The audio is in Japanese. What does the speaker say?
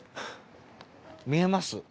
見えます？